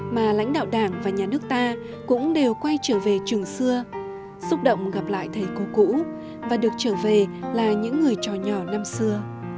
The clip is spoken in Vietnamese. mà lãnh đạo đảng và nhà nước ta cũng đều quay trở về trường xưa xúc động gặp lại thầy cô cũ và được trở về là những người trò nhỏ năm xưa